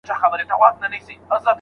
نه ګولۍ او نه مرمي مي چلولي